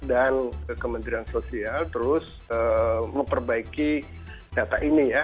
dan kementerian sosial terus memperbaiki data ini ya